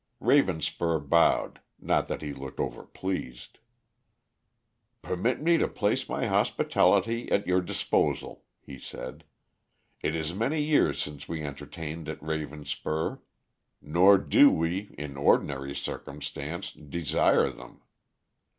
Ravenspur bowed, not that he looked overpleased. "Permit me to place my hospitality at your disposal," he said. "It is many years since we entertained at Ravenspur, nor do we, in ordinary circumstances, desire them.